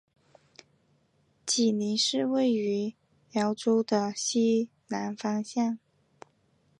济宁市位于兖州的西南方向。